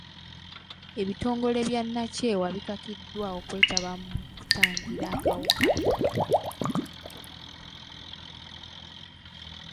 Ebitongole bya nakyewa bikakiddwa okwetaba mu kutangira akawuka.